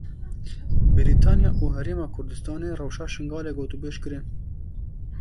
Brîtanya û Herêma Kurdistanê rewşa Şingalê gotûbêj kirin.